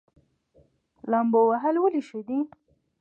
لامبو وهل ولې ښه دي؟